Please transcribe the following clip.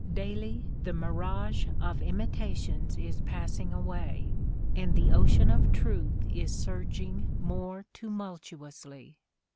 Daily the mirage of imitations is passing away and the ocean of truth is surging more tumultuously.